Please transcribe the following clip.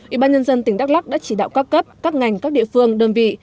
ủy ban nhân dân tỉnh đắk lắc đã chỉ đạo các cấp các ngành các địa phương đơn vị